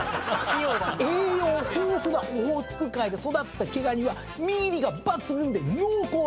「栄養豊富なオホーツク海で育った毛ガニは身入りが抜群で濃厚なうま味」